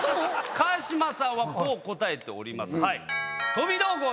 川島さんはこう答えております。